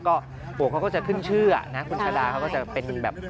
ก็ปวกเขาก็จะขึ้นชื่อนะคุณชาดาเขาก็จะเป็นแบบ